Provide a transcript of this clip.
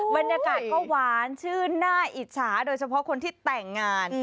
บรรยากาศก็หวานชื่นน่าอิจฉาโดยเฉพาะคนที่แต่งงาน